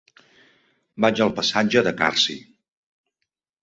Vaig al passatge de Carsi.